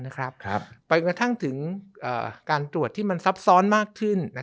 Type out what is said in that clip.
ไปกระทั่งถึงการตรวจที่มันซับซ้อนมากขึ้น